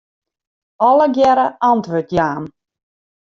Allegearre antwurd jaan.